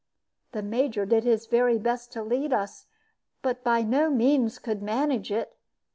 The Major did his very best to lead us, but could by no means manage it.